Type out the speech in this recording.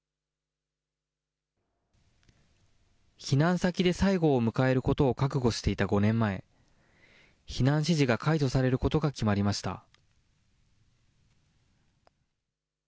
避難先で最期を迎えることを覚悟していた５年前、避難指示が解除されることが決まりました。